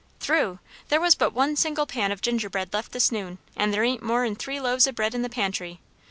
"Through! There was but one single pan of ginger bread left this noon; and there ain't more'n three loaves o' bread in the pantry.